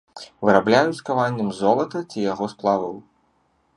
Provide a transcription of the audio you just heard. Вырабляюць каваннем з золата ці яго сплаваў.